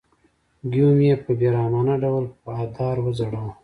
ګیوم یې په بې رحمانه ډول په دار وځړاوه.